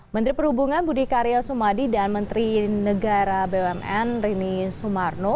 menteri perhubungan budi karya sumadi dan menteri negara bumn rini sumarno